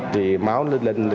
thì máu lên lên